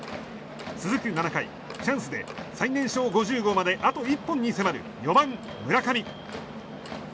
続く７回チャンスで最年少５０号まであと１本に迫る４番、村上。